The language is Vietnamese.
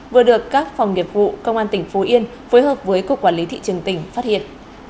vừa được các phòng nghiệp vụ công an tỉnh phú yên phối hợp với cục quản lý thị trường tỉnh phát hiện